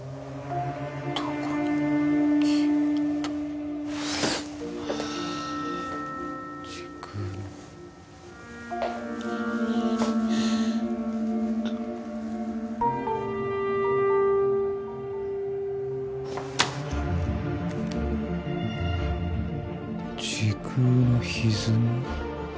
どこに消えた時空の時空のひずみ